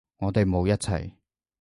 我哋冇一齊